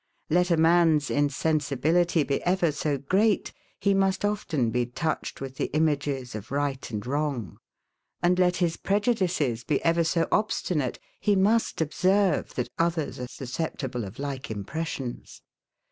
Let a man's insensibility be ever so great, he must often be touched with the images of Right and Wrong; and let his prejudices be ever so obstinate, he must observe, that others are susceptible of like impressions.